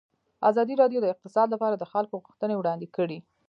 ازادي راډیو د اقتصاد لپاره د خلکو غوښتنې وړاندې کړي.